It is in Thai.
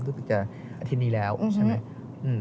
ก็คือจะอาทิตย์นี้แล้วใช่ไหม